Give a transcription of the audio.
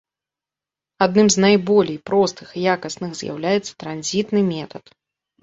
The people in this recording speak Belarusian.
Адным з найболей простых і якасных з'яўляецца транзітны метад.